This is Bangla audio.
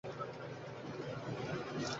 এই চিঠিটি হচ্ছে তার প্রমাণ।